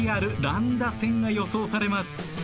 乱打戦が予想されます。